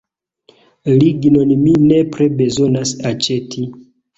Lignon mi nepre bezonas aĉeti.